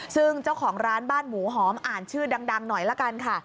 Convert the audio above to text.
ซึ่งเจ้าของร้านบ้านหมูหอมอ่านชื่อดังหน่อยละกันค่ะ